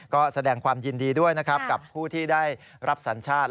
ก็แสดงความยินดีด้วยนะครับกับผู้ที่ได้รับสัญชาติ